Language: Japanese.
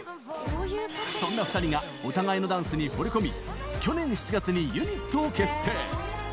そんな２人がお互いのダンスにほれ込み、去年７月にユニットを結成。